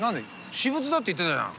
私物だって言ってたじゃん。